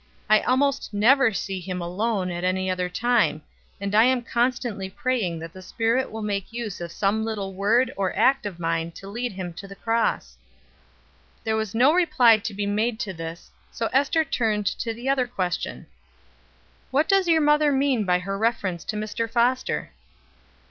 I almost never see him alone at any other time, and I am constantly praying that the Spirit will make use of some little word or act of mine to lead him to the cross." There was no reply to be made to this, so Ester turned to the other question: "What does your mother mean by her reference to Mr. Foster?"